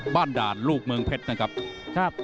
ด่านลูกเมืองเพชรนะครับ